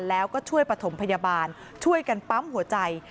แล้วก็ช่วยประถมพยาบาลช่วยกันปั๊มหัวใจ